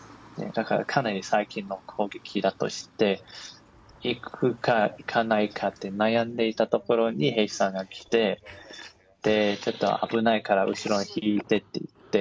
だからかなり最近の攻撃だと知って、行くか行かないかって悩んでいたところに、兵士さんが来て、ちょっと危ないから後ろに引いてって言って。